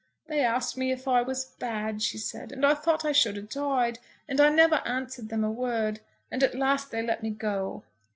"They asked me if I was bad," she said, "and I thought I should a' died, and I never answered them a word, and at last they let me go."